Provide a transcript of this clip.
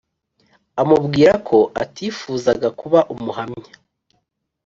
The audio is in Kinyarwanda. amubwira ko atifuzaga kuba Umuhamya.